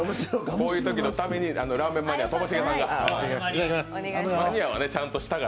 こういうときのためにラーメンマニア、ともしげさんが。